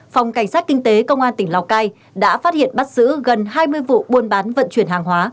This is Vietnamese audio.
phòng cảnh sát kinh tế công an tỉnh lào cai đã phát hiện bắt giữ gần hai mươi vụ buôn bán vận chuyển hàng hóa